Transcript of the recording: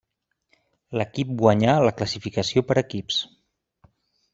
L'equip guanyà la classificació per equips.